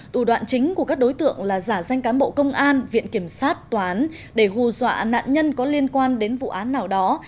tù đoạn chính của các đối tượng là giả danh cán bộ công an viện kiểm sát toán để hù dọa nạn nhân có liên quan đến vụ án nào đó